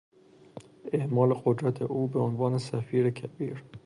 اعمال قدرت او به عنوان سفیرکبیر